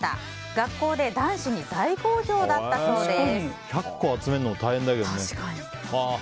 学校で男子に大好評だったそうです。